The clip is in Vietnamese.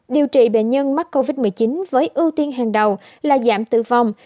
điều trị bệnh nhân mắc covid một mươi chín với ưu tiên hàng đầu là giảm tử vong